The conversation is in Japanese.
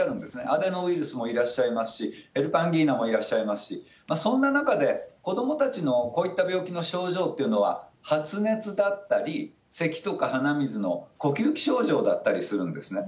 アデノウイルスもいらっしゃますし、ヘルパンギーナもいらっしゃいますし、そんな中で、子どもたちのこういった病気の症状というのは、発熱だったり、せきとか鼻水の呼吸器症状だったりするんですね。